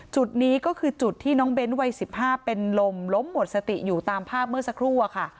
จุดนี้ก็คือจุดที่น้องเบ้นวัย๑๕เป็นลมล้มหมดสติอยู่ตามภาพเมื่อสักครู่อะค่ะ